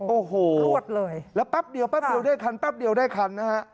โอ้โหปั๊บเดียวได้คันได้คันนะฮะ